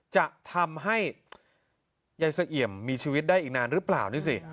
จะทำให้ยายเสเอี่ยมมีชีวิตได้อีกนานหรือเปล่านี่สิ